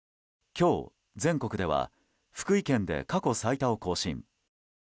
今日、全国では福井県で過去最多を更新。